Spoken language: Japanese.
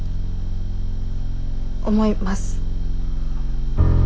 思います。